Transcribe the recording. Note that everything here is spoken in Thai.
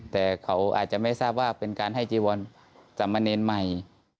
แต่เขาอาจจะไม่ทราบว่าเป็นการให้จังหวะนั้นสามเมอร์เนนใหม่